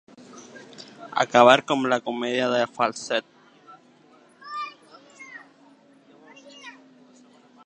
Acabar com la comèdia de Falset.